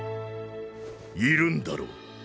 いるんだろう？